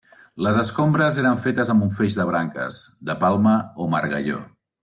Les escombres eren fetes amb un feix de branques, de palma o margalló.